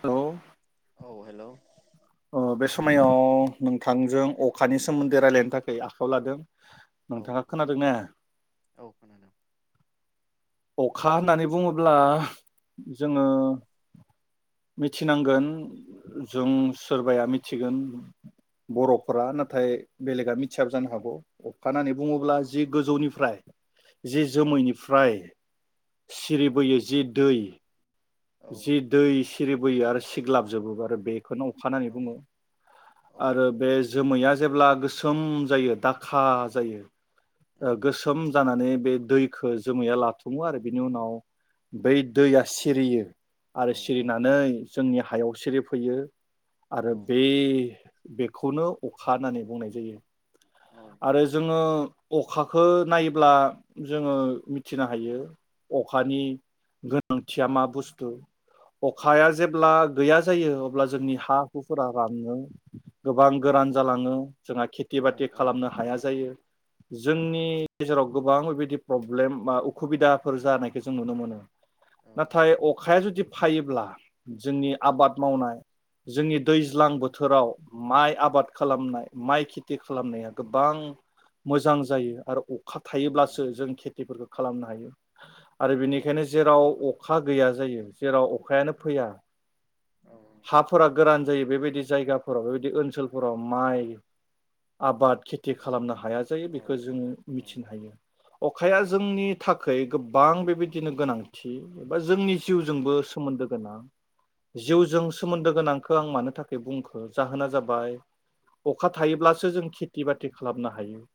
Hello औ hello अ बे समायाव नोंथांजों अखानि सोमोन्दै रायलायनो थाखाय आखायाव लादों। औ नोंथाङा हागोन खोनादों ना औ खोनादों अखा होननानै बुङोब्ला जोङो मिथिनांगोन जों सोरबाया मिथिगोन बर'फोरा नाथाय बेलेगा मिथियाबो जानो हागौ अखा होननानै औ बुङोब्ला जि गोजौनिफ्राय जे औ जोमैनिफ्राय औ सिरिबोयो जि दै औ जि दै सिरिबोयो आरो सिग्लाबजोबोबो आरो खोनो अखा होननानै औ बुङो औ आरो बे जोमैया जेब्ला गोसोम जायो दाखा जायो औ ओ गोसोम जानानै बे दैखो जोमैया लाथुमो आरो बिनि उनाव बै दैया सिरियो औ आरो सिरिनानै जोंनि हायाव सिरि फैयो औ आरो बे बेख खौनो अखा होननानै बुंनाय जायो। आरो जोङो अखाखो नायोब्ला जोङो मिथिनो हायो अखानि गोनांथिया मा बुस्थु अखाया जेब्ला गैया जायो अब्ला जोंनि हा हुफोरा राननो गोबां गोरान जालाङो जोंहा खेथि बाथि खालामनो हाया जायो औ जोंनि गेजेराव गोबां बेबायदि प्रब्लेम बा उखुबिदाफोर जानायखौ जों नुनो मोनो। नाथाय अखाया जुदि फायोब्ला जोंनि आबाद मावनाय जोंनि दैज्लां बोथोराव माइ आबाद खालामनाय माइ खेथि खा खालामनाया गोबां मोजां जायो आरो अ खा औ औ थायोब्लासो जों खेथिफोरखौ खालामनो हायो आरो बेनिखायनो जेराव अखा गैया जायो जेराव अखायानो फैया हाफोरा गोरान जायो बेबायदि जायगाफोराव बेबायदि ओनसोलफोराव माइ आबाद खेथि खालामनो हाया जायो बेखौ जों मिथिनो हायो अखाया जोंनि थाखै गोब बां बेबायदिनो गोनांथि एबा जोंनि जिउजोंबो सोमोन्दो गोनां औ जिउजों सोमोन्दो गोनां खो आं मानो थाखाय बुंखो? जाहोना जाबाय अखा थायोब्लासो जों खेथि बाथि खालामनो हायो।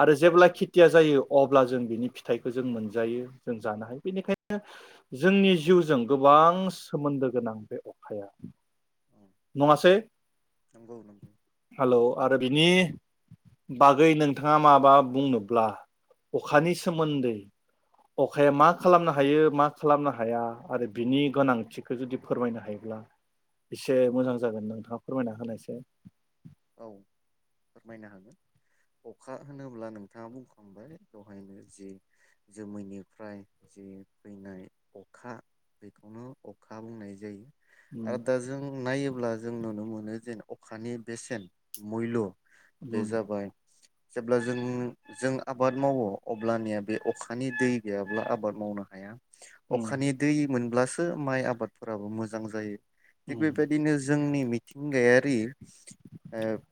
आरो जेब्ला खेथिया जायो अ अब्ला जों बिनि फिथाइखौ जों मोनजायो जों जानो हायो बेनिखायनो जोंनि जिउजों गोबां सोमोन्दो गोनां बे अखाया। नङासै? नंगौ नंगौ हेलौ आरो बिनि बागै नोंथाङा माबा बुंनोब्ला अखानि सोमोन्दै अखाया मा खालामनो हायो मा खालामनो हाया आरो बिनि गोनांथिखौ जुदि फोरमायनो हायोब्ला एसे मोजां जागोन नोंथाङा फोरमायना होनायसै? औ फोरमायनो हागोन अखा होनोब्ला नोंथाङा बुंखांबाय दहायनो जि जोमैनिफ्राय जि फैनाय अखा बेखौनो अखा बुंनाय जायो। उम आ दा जों नायोब्ला जों नुनो मोनो जेन अखानि बेेसेन मैल्य बे उम जाबाय जेब्ला जों जों आबाद मावो अब्लानिया बे अखानि दै गैयाब्ला आबाद मावनो हाया। उम अखानि दै मोनब्लासो माइ आबादफोराबो मोजां जायो। थिग उम बेबायदिनो जोंनि मिथिंगायारि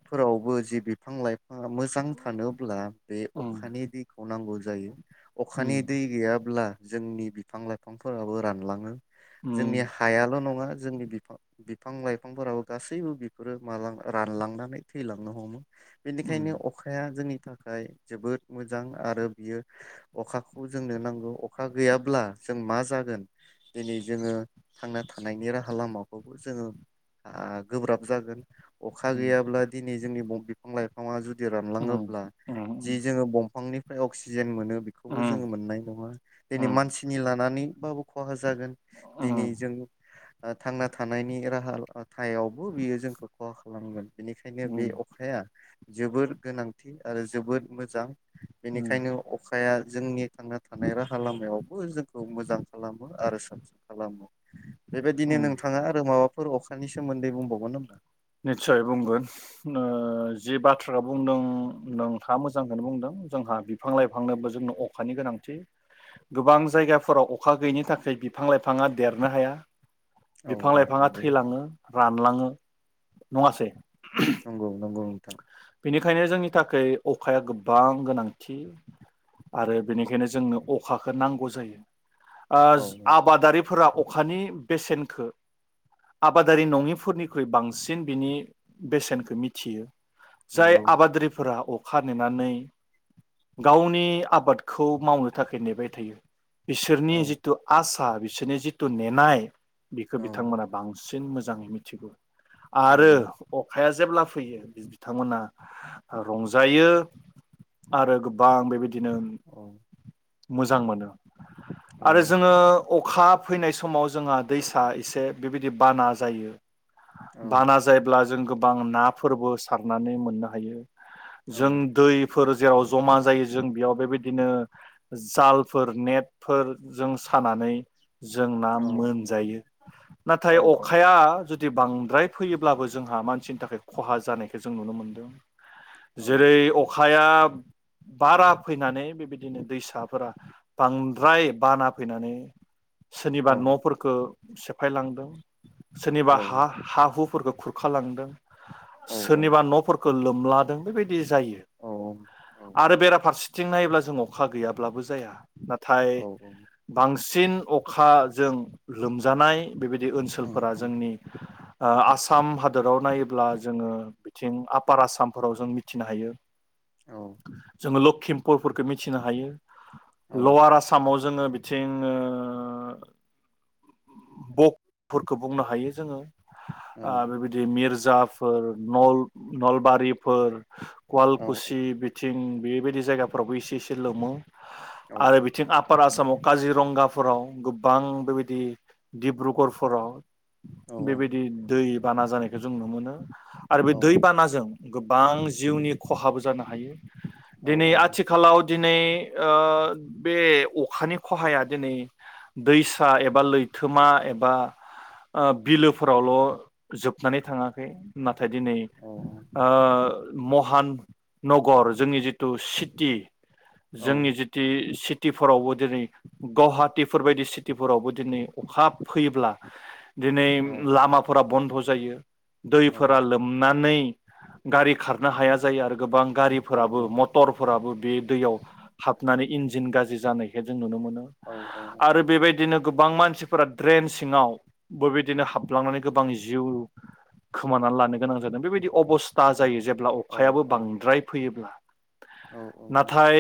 फोरावबो जि बिफां लाइ फांआ मोजां थानोब्ला बे उम अखानि दैखौ नांगौ जायो। उम अखानि दै गैयाब्ला जोंनि बिफां लाइफांफोराबो रानलाङो। जोंनि उम हायाल' नङा जोंनि बिफां बिफां लाइफांफोराबो गासैबो बिफोरो मालाबा रानलांनानै थैलांनो हमो। उम बेनिखायनो अखाया जोंनि थाखाय जोबोद मोजां आरो बियो अखाखौ जोंनो नांगौ अखा गैयाब्ला जों मा जागोन दिनै जोङो थांना थानायनि राहा लामाखौबो जोङो आ गोब्राब जागोन। अखा उम गैयाब्ला दिनै जोंनि बिफां लाइफां फांआ जु दि उम रानलाङोब्ला उम जि जोङो बंफांनि अक्सिजेन मोन नो बेखौबो उम जोङो मोननाय नङा दिनै उम मानसिनि लानानैबाबो खहा जागोन। दिनै जों थांना थानायनि राहा थायावबो बियो जोंखौ खहा खालामगोन। बिनिखायनो उम बे अखाया जोबोर गोनांथि आरो जोबोर मोजां। उम बेनिखायनो अखाया जोंनि थांना थानाय राहा लामायाव बो जोंखौ मोजां खालामो आरो साबसिन खालामो। बेबायदिनो उम नोंथाङा आरो माबा फोर अखानि सोमोन्दै बुंबावगोन नामा? निस्सय बुंगोन ओ जि बाथ्राखौ बुंदों नोंथाङा मोजांखौनो बुंदों जोंहा बिफां लाइफांनोबो जोंनो अखानि गोनांथि। गोबां जायगाफोराव अखा गैयिनि थाखाय बिफां लाइफाङा देरनो हाया। औ बिफां औ लाइफाङा नंगौ थैलाङो रानलाङो। नङासै? नंगौ नंगौ। [inaudible] बेनिखायनो जोंनि थाखाय अखाया गोबां गोनांथि आरो बेनिखायनो जोंनो अखाखो नांगौ जायो। ओ औ आबादारिफोरा अखानि बेसेनखो आबादारि नङिफोरनिख्रुइ बांसिन बिनि बेसेनखो मिथियो। जाय नंगौ आबादारिफोरा अ खा गावनि आबादखौ मावनो थाखाय नेबाय थायो बिसोरनि औ जिथु आस सा बिसोरनि जिथु नेनाय बिखौ औ बिथांमोना बांसि न मोजाङै मिथिगौ। आरो नंगौ अ खाया जेब्ला फैयो बिथांमोना रंजायो आरो गोबां बेबायदि नो औ मोजां मोनो। औ आरो जोङो अखा फैनाय समाव जोंहा दैसा एसे बेबायदि बाना जायो। औ बाना जायोब्ला जों गोबां ना फोरबो सारनानै मोननो हायो। जों दै फोर जेराव जमा जायो जों बेयाव बेबायदिनो जालफोर नेटफोर जों सानानै जोंना औ मोनजायो। नाथाय औ अखाया जु दि बांद्राय फैयोब्लाबो जोंहा मानसिनि थाखाय खहा जानाय जों नुनो मोन्दों जेरै अ अखाया बारा फैनानै बेबायदिनो दैसाफोरा बांद्राय बाना फैनानै औ सोरनिबा न'फोरखौ सेफायलांदों। सोरनिबा हा-हा हु फोरखौ खुरखालांदों औ औ सोरनिबा न'फोरखौ लोब लादों बेबायदि दि जायो औ आरो बेराफारसे थिं नायोब्ला जों अखा गैयाब्लाबो जाया नाथाय औ बां सिन अखाजों लोमजानाय बेबायदि औ ओनसोलफोरा औ जोंनि ओ आसाम हादोराव नायोब्ला जोङो बिथिं आफपार आसामफोराव जों मिथिनो हायो औ जोङो ल' फोरखौ मिथिनो हायो औ लवार आसामाव जोङो थिं ओ बकफोरखौ बुंनो हायो जोङो। ओ औ बेबायदि मिरज जाफोर नल-नलबारिफोर कवालकुसि बिथि थिं बेबायदि जायगाफ्रावबो इसे एसे लोमो। औ आरो बिथिं आफ पार आसामाव काजिरंगाफोराव गोबां बेबायदि डिब्रुगरफोराव बेबायदि दै बाना जानायखौ जों नु मोनो। आरो बे दै बानाजों गोबां जिउनि खहाबो जानो हायो। औ दिनै औ आथिखालाव दिनै ओ बे अखानि खहाया दिनै दैसा एबा लैथोमा एबा बिलोफोरावल' जोबनानै थाङाखै नाथ नाथाय दिनै ओ महान नगर जोंनि जिथु सिटि जोंनि जिति सित टिफोरावबो दिनै गुवाहाटिफोर बदि सिटिफोरावबो दिनै अखााब फैयोब्ला दिनै लामाफोरा बन्द' जायो दै फोरा लोमनानै गारि खारनो हाया जायो आरो गोबां गारिफोराबो मटरफोराबो बे दैयाव हाबनानै इन्जिन गाज्रि जानायखाय जों नुनो मोन नो आरो बेबायदिनो गोबां मानसिफोरा ड्रेन सिङाव बेबायदिनो हाबलांनानै गोबां जिउ खोमानानै लानो गोनां जादों बेबायदि अबस्था जायो जेब्ला अखायाबो औ बांद्राय फैयोब्ला नाथाय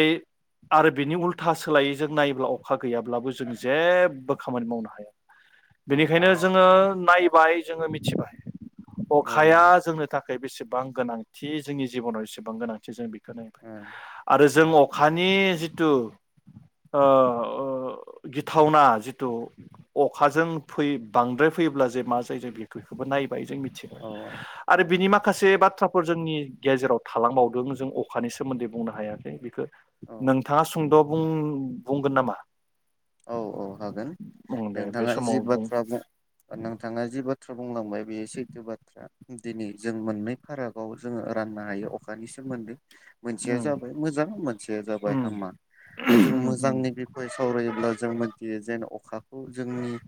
आरो बिनि उल्था सोलायैजों नायोब्ला अखा गैयाब्लाबो जों जेबो खामानि मावनो हाया औ बेनिखायनो जोङो नायबाय जोङो मिथिबाय अखाया जोंनो थाख थाखाय बेसेबां गोनांथि जोंनि जिबनाव जेसेबां गोनांथि जों बे खोनबाय आरो जों अखानि जि जिथु गिथावना ओ ओ जिथु अखाजों बांद्राय फैयोब्ला जे मा जायो जों बेखौबो नायबाय जों आरो बिनि माखासे बाथ थ्राफोर जोंनि गेजेराव थालांबावदों जों अखानि सोमोन्दै बुंनो हायाखै बेखौ नोंथाङा सुंद' बुं-बुंगोन नामा? औ औ हागोन बुं दे बे नोंथाङा जि समाव बाथ्रा बुं नोंथाङा जि बा बाथ्रा बुंलांबाय बेयो सैथो बाथ्रा दिनै जों मोननै फारागआव जोङो राननो हायो अखानि सोमोन्दै मोनसेया उम जाबाय मोजां मोनसेया जाबाय उम हामा दा जों उम उम मोजांनि बिखय सावरायो। जों मिथियो जेन अखाखौ जोंनि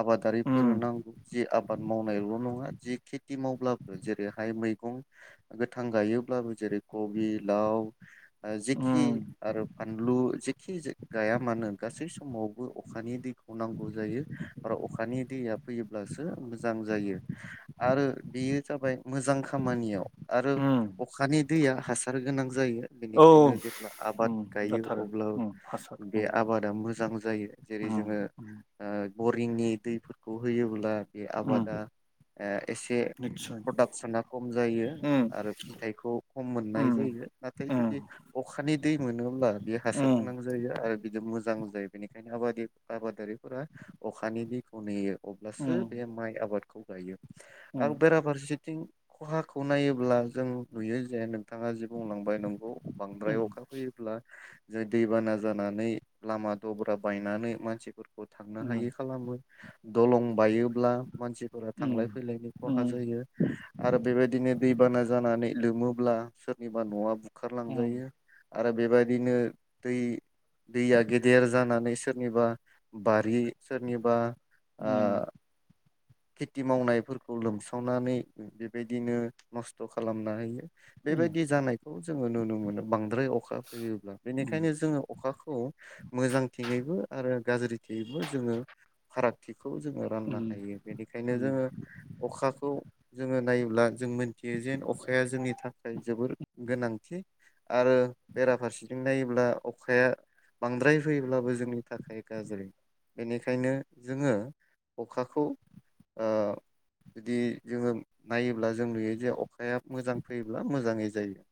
आबादारिफोर नांगौ जि आबाद मावनायल नङा जि खेथि मावब्लाबो जेरैहाय मैगं गोथां गायोब्लाबो जेरै कबि लाव। जेखि उम आरो फानलु जेखि जो गाया मानो गासै समावबो अखानि दैखौ नांगौ जायो आरो अखानि दैया फैयोब्लासो मोजां जायो आरो बेयो जाबाय मोजां खामानियाव। आरो उम अखानि दैया हासार गोनां जायो औ बेनिखायनो जेब्ला आबाद उम गायो जाथारो अब्ला उम हासार बे उम आबादा मोजां मोजां जायो जेरै जोङो उम बरिंनि दैफोरखौ होयो [unintelligible] बे उम आबादा एसे निस्सय प्रदाक्सना खम जायो उम आरो फिथाइखौ खम मोननाय उम जायो नाथाय उम जुदि अखानि दै मोनोब्ला बे हासार उम गोनां जायो आरो बिदि मोजां जायो बेनिखायनो आबादरि आबादारिफोरा अखानि दैखौ नेयो। अब्लासो उम बे माइ आबाद खौ गायो। आं उम बेराफारसेथिं बिथिं खहाखौ नायोब्ला जों नुयो जे नों नोंथांङा जि बुंलांबाय नोंगौ बांद्राय उम अखा फैयोब्ला जे दैबाना जानानै लामा दब्रा बायनानै मानसि फोरखौ थांनो उम हायै खालामो। दलं बायो। ब्ला मानसिफोरा थांलाय उम फैलायनि खहा उम जायो आरो बेबायदिनो दैबाना जानानै लोमो अब्ला सोरनिबा नआ बु बुखार लांजायो। आरो बेबायदिनो दै दैआ गे देर जानानै सोरनिबा बारि सोरनिबा ओ उम खेथि मावनायफोरखौ लोमसावनानै बेबायदिनो नस्थ' खालामना होयो। उम बेबायदि जानायखौ जोङो नुनो मोनो बांद्राय अखा फैयोब्ला बेनिखायनो जोङो अखाखौ मोजांथिंङैबो आरो गाज्रि थियैबो जोङो फारागथिग खौ जोङो राननो उम हायो। बेनिखायनो उम जोङो अखाखौ जोङो नायोब ब्ला जों मिथियो जेन अखाया जोंनि थाखाय जोबोर गोनांथि आरो बेराफारसेथिं नायोब्ला अखाया बांद्राय फैयोब्लाबो जोंनि थाखाय गाज्रि बेनिखायनो जोङो अखाखौ। ओ जुदि जोङो नायोब्ला जों नुयो जे अखाया मोजां फैयोब्ला मोजाङै जायो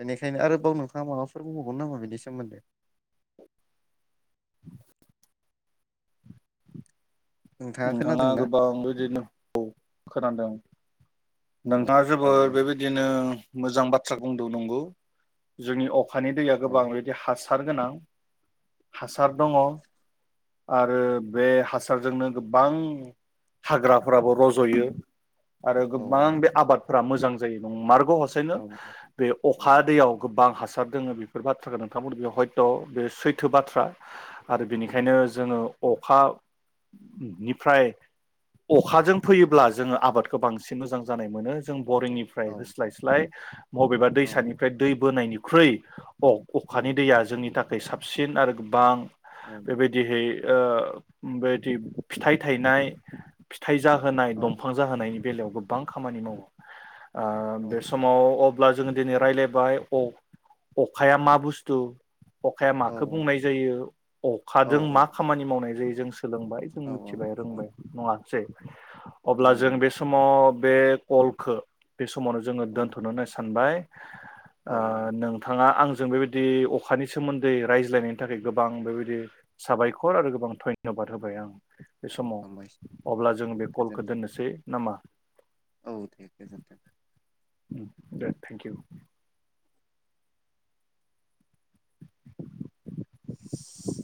बेनिखायनो आरोबाव नोंथाङा माबाफोर बुंबावगोन नामा बेनि सोमोन्दै। [inaudible] नोंथाङा गोबां बेदिनो खोनादों औ नोंथाङा औ जोबोद दे बेबायदिनो मोजां बाथ्रा बुंदों नंगौ जोंनि अख खानि दैया औ गोबां इदि हास सार गोनां हासार दङ आरो बे हासारजोंनो गोबां हाग्राफ्राबो रज'यो। आरो औ गोबां बे आबाद फोरा मोजां जायो नंमार गौ हसायैनो औ बे औ अखा दैयाव गोबां हा सार दोङो बेफोर बाथ्राखौ नोंथांङा बुंदों बेयावहयथ' बे सैथो बाथ्रा। आरो उम बिनिखायनो जोङो अखा निफ्राय अखाजों फैयोब्ला जोङो आबादखौ बांसिन मोजां जानाय मोनो जों औ बरिंनिफ्राय होस्लायस्लाय [inaudible] बबेबा औ दैसानिफ्राय दैब बोनायनिख्रुइ अ-अखानि उम दैया जोंनि थाख खाय साबसिन आरो गोबां औ बेबायदिहै ओ बेद दि‌ फिथाइ थायनाय फि थाइ जाहोनाय औ दंफां जाहोनायनि बेलायाव गोबां खामानि मावो। ओ औ बे समाव अब ब्ला जोङो दिनै रायलायबाय अख-अखाया मा बुस्थु। अखाया औ माखो बुंनाय जायो? औ अखाजों मा खामानि मावनाय जायो? जों सोलों बाय जों औ मिथिबाय औ रोंबाय नङा सै अब्ला नंगौ जों बे समाव बे कलखो बे समावनो जोङो उम दोन्थ'नो होनना सानबाय। औ ओ जागोन दे नोंथाङा आं जों बेबायदि अखानि सोमोन्दै रायज्लायनायनि थाखाय गोबां बेबायदि साबायखर आरो गोबां धय धन्यबाद होबाय आं। बे औ हामबायसै समाव अब्ला जों बे कलखौ गोजोनथों दोननोसै नामा? औ दे गोजोन्थों। दे थेंक इउ। गोजोनथों